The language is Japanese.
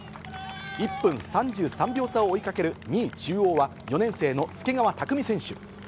１分３３秒差を追いかける２位中央は、４年生の助川拓海選手。